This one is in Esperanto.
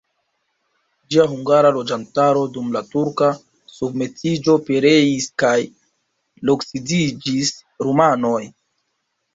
Ĝia hungara loĝantaro dum la turka submetiĝo pereis kaj loksidiĝis rumanoj.